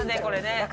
これね。